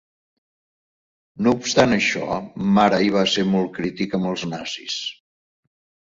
No obstant això, Márai va ser molt crític amb els nazis.